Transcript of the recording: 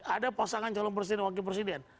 ada pasangan calon presiden dan wakil presiden